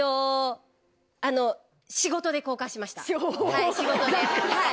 はい仕事ではい。